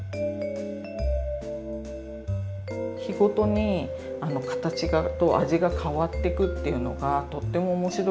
日ごとに形と味が変わってくっていうのがとっても面白いですよね。